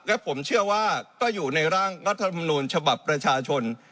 และผมเชื่อว่าก็อยู่ในร่างรัฐธรรมนูญฉบับประชาชน